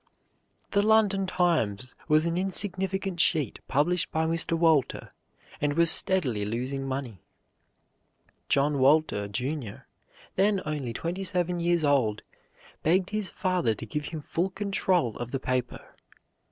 The "London Times" was an insignificant sheet published by Mr. Walter and was steadily losing money. John Walter, Jr., then only twenty seven years old, begged his father to give him full control of the paper.